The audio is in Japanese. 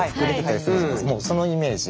もうそのイメージ。